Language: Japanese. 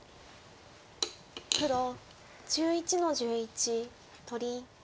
黒１１の十一取り。